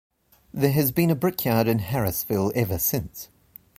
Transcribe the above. There has been a brickyard in Harrisville ever since.